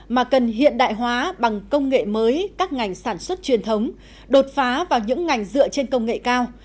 mà cần hiện đại hóa bằng công nghệ mới các ngành sản xuất truyền thống đột phá vào những ngành dựa trên công nghệ cao